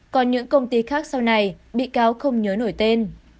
còn những công ty khác sau này bị cáo không nhớ nổi tên